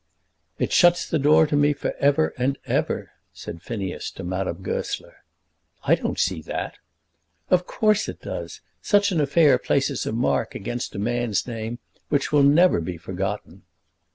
"It shuts the door to me for ever and ever," said Phineas to Madame Goesler. "I don't see that." "Of course it does. Such an affair places a mark against a man's name which will never be forgotten."